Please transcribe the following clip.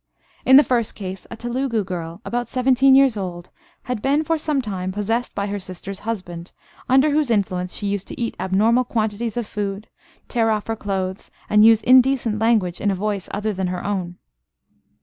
In the first case, a Telugu girl, about seventeen years old, had been for some time possessed by her sister's husband, under whose influence she used to eat abnormal quantities of food, tear off her clothes, and use indecent language in a voice other than her own.